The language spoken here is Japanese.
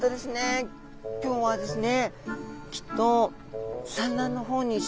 今日はですね